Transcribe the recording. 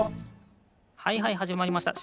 はいはいはじまりました。